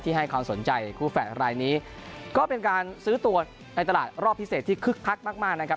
ให้ความสนใจคู่แฝดรายนี้ก็เป็นการซื้อตัวในตลาดรอบพิเศษที่คึกคักมากมากนะครับ